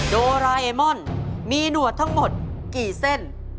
โดราเอมอนมีหนวดทั้งหมดกี่เส้น